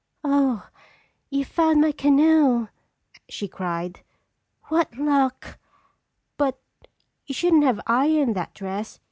"Oh, you found my canoe!" she cried. "What luck! But you shouldn't have ironed that dress.